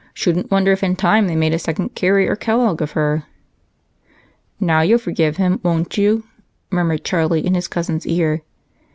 Shouldn't wonder if in time they made a second Cary or Kellogg of her." "Now you'll forgive him, won't you?" murmured Charlie in his cousin's ear.